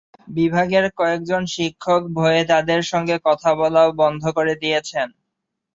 বিভাগের কয়েকজন শিক্ষক ভয়ে তাঁদের সঙ্গে কথা বলাও বন্ধ করে দিয়েছেন।